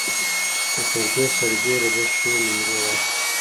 خو پر دې سربېره ده ښې نومرې واخيستې.